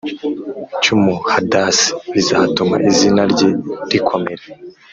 cy umuhadasi Bizatuma izina rye rikomera